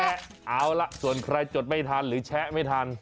เอาล่ะส่วนใครจดไม่ทันหรือแชะไม่ทัน